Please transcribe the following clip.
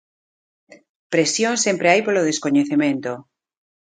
Presión sempre hai polo descoñecemento.